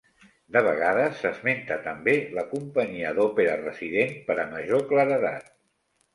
De vegades s'esmenta també la companyia d'òpera resident per a major claredat.